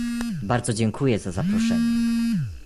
Bardzo dziękuję za zaproszenie